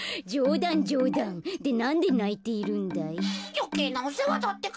よけいなおせわだってか。